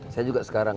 saya juga sekarang